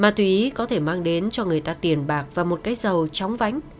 mà tùy ý có thể mang đến cho người ta tiền bạc và một cái dầu tróng vánh